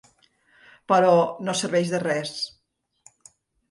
Però no serveix de res.